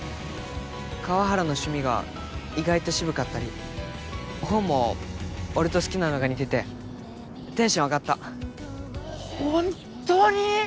川原の趣味が意外と渋かったり本も俺と好きなのが似ててテンション上がったホントに！？